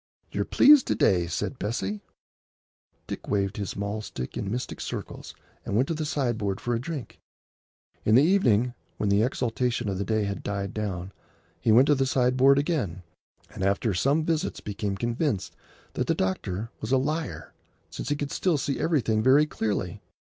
"You're pleased to day," said Bessie. Dick waved his mahl stick in mystic circles and went to the sideboard for a drink. In the evening, when the exaltation of the day had died down, he went to the sideboard again, and after some visits became convinced that the eye doctor was a liar, since he could still see everything very clearly.